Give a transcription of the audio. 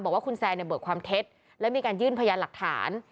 ว่าคุณแซนเนี่ยเบิกความเท็จและมีการยื่นพยานหลักฐาน